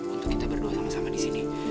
untuk kita berdua sama sama disini